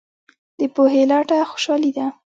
د پوهې لټه خوشحالي ده.